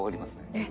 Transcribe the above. えっ。